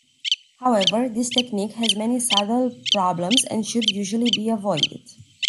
However, this technique has many subtle problems and should usually be avoided.